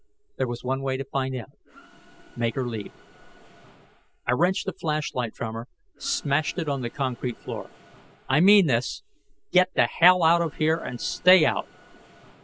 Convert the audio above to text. There was one way to find out: make her leave. I wrenched the flashlight from her, smashed it on the concrete floor. "I mean this: get the hell out of here, and stay out!"